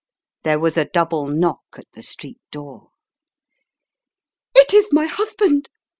There was a double knock at the street door. " It is my husband